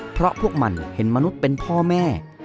เพราะพวกมันเห็นมนุษย์เป็นพ่อแม่